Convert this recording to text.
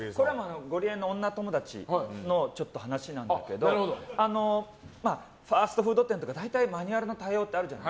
ゴリエの女友達の話なんだけどファストフード店とかマニュアル対応あるじゃない。